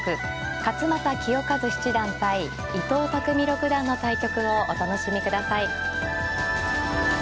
勝又清和七段対伊藤匠六段の対局をお楽しみください。